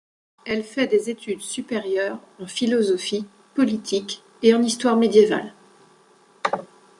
Elle fait des études supérieures en philosophie politique et en histoire médiévale.